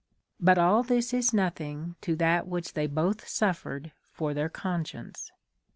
But all this is nothing to that which they both suifered for their conscience.